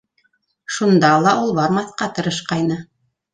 Шунда ла ул бармаҫҡа тырышҡайны.